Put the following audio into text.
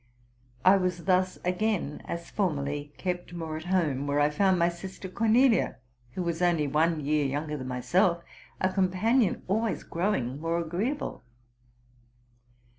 I was thus again, as formerly, kept more at home; where I found my sister Cornelia, who was only one year younger than myself, a companion always growing more agreeable.